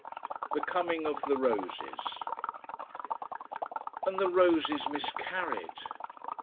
THE COMING OF THE ROSES. And the roses miscarried!